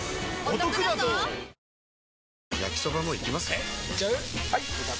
えいっちゃう？